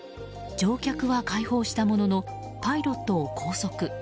乗客は解放したもののパイロットを拘束。